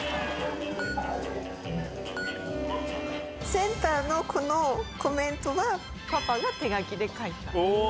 センターのこのコメントはパパが手書きで書いた。